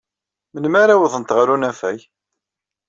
Melmi ara awḍent ɣer unafag?